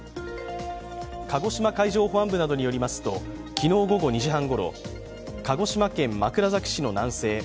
鹿児島海上保安部などによりますと、昨日午後２時半ごろ鹿児島県枕崎市の南西